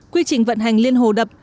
quy trình vận hành liên hồ đập